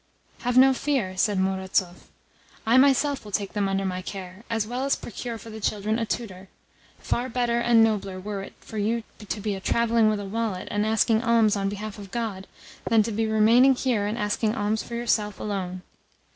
"Have no fear," said Murazov, "I myself will take them under my care, as well as procure for the children a tutor. Far better and nobler were it for you to be travelling with a wallet, and asking alms on behalf of God, then to be remaining here and asking alms for yourself alone.